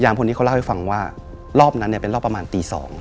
ยารว์พวงนนี้เขาเล่าให้ฟังว่ารอบนั้นแทนระหว่างตี๒